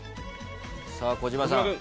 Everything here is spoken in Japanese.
さあ児嶋さん